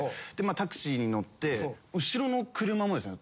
タクシーに乗って後ろの車もですね